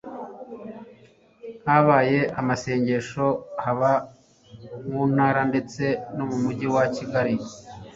habaye amasengesho haba mu ntara ndetse n'umujyi wa kigali